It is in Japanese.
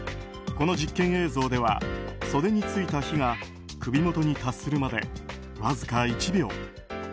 この実験映像では袖についた火が首元に達するまでわずか１秒。